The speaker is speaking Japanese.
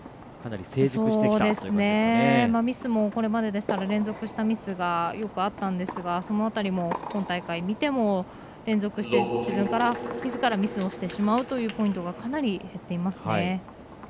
ミスもこれまででしたら連続したミスがかなりあったんですがその辺りも今大会見ても連続してみずからミスをしてしまうというポイントがかなり見えますね。